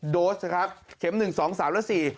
๙๕๕๘๓๖โดสครับเข็มหนึ่งสองสามและสี่